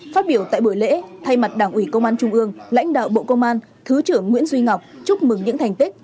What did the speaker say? phát biểu tại buổi lễ thay mặt đảng ủy công an trung ương lãnh đạo bộ công an thứ trưởng nguyễn duy ngọc chúc mừng những thành tích